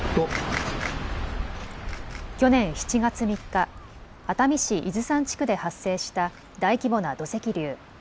去年７月３日、熱海市伊豆山地区で発生した大規模な土石流。